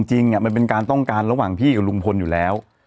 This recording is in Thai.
จริงมันเป็นการต้องการระหว่างพี่กับลุงพลอยู่แล้ว